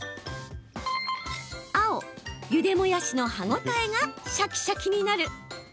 青・ゆでもやしの歯応えがシャキシャキになる。